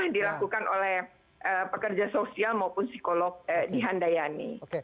yang dilakukan oleh pekerja sosial maupun psikolog di handayani